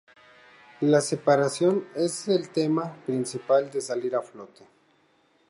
La separación es el tema principal de "Salir a flote".